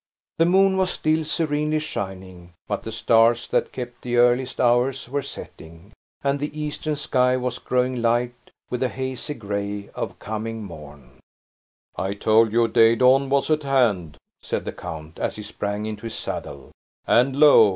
The moon was still serenely shining, but the stars that kept the earliest hours were setting, and the eastern sky was growing light with the hazy gray of coming morn. "I told you day dawn was at hand," said the count, as he sprang into his saddle; "and, lo!